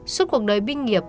suốt cuộc đời binh nghiệp